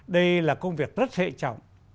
đây là công việc rất hệ trọng